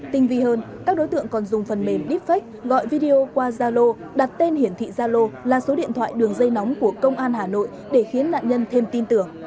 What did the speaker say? tinh vi hơn các đối tượng còn dùng phần mềm deepfake gọi video qua zalo đặt tên hiển thị gia lô là số điện thoại đường dây nóng của công an hà nội để khiến nạn nhân thêm tin tưởng